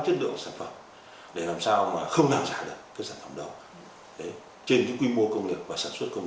chất lượng sản phẩm để làm sao mà không làm giả được các sản phẩm đâu trên những quy mô công nghiệp và sản